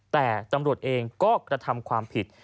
แต่ตำรวจเองก็กระทำความผิด